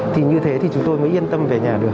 thì như thế thì chúng tôi mới yên tâm về nhà được